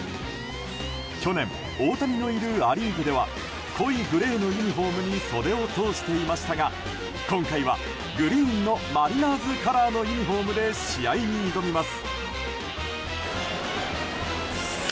去年、大谷のいるア・リーグでは濃いグレーのユニホームに袖を通していましたが今回は、グリーンのマリナーズカラーのユニホームで試合に挑みます。